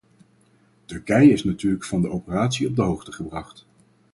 Turkije is natuurlijk van de operatie op de hoogte gebracht.